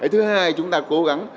thứ hai chúng ta cố gắng